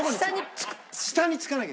下につかなきゃ。